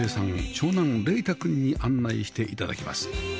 長男羚太君に案内して頂きます